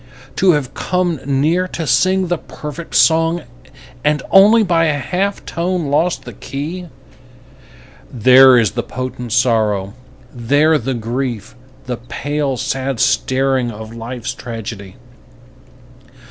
To have come near to sing the perfect song And only by a half tone lost the key, There is the potent sorrow, there the grief, The pale, sad staring of life's tragedy.